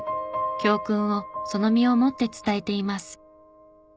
教訓をその身をもって伝えています。